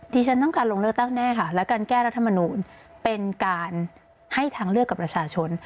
ที่ฉันต้องการลงเลือกตั้งแน่ค่ะและการแก้รัฐมนูลเป็นการให้ทางเลือกกับประชาชน